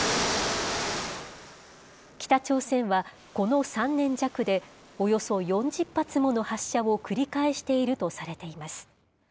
北朝鮮はこの３年弱で、およそ４０発もの発射を繰り返しているとされています。